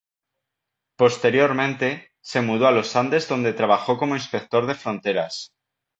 Posteriormente, se mudó a Los Andes donde trabajó como inspector de fronteras.